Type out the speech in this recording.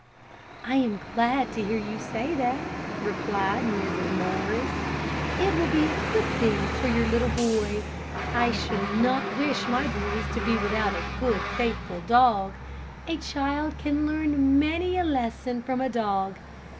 "I am glad to hear you say that," replied Mrs. Morris. "It will be a good thing for your little boy. I should not wish my boys to be without a good, faithful dog. A child can learn many a lesson from a dog.